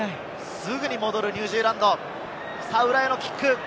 すぐに戻るニュージーランド、裏へのキック。